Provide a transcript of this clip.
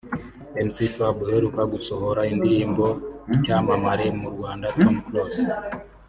Mc Fab uheruka gusohora indirimbo n’icyamamare mu Rwanda Tom Close